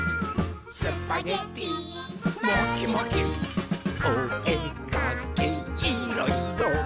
「スパゲティ！まきまき」「おえかきいろ・いろ」